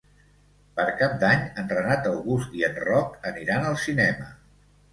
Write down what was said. Per Cap d'Any en Renat August i en Roc aniran al cinema.